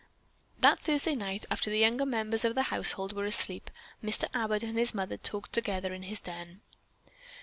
That Thursday night, after the younger members of the household were asleep, Mr. Abbott and his mother talked together in his den.